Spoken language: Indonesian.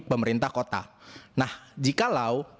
pemerintah kota nah jikalau